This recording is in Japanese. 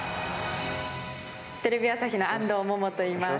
テレビ朝日の安藤萌々と言います。